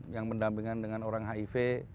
yang berdampingan dengan orang hiv